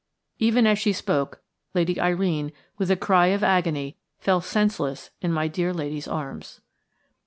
Even as she spoke Lady Irene, with a cry of agony, fell senseless in my dear lady's arms.